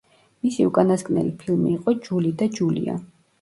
მისი უკანასკნელი ფილმი იყო „ჯული და ჯულია“.